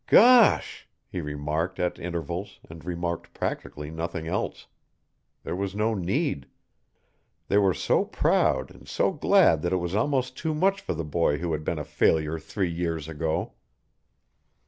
"Gosh!" he remarked at intervals and remarked practically nothing else. There was no need. They were so proud and so glad that it was almost too much for the boy who had been a failure three years ago.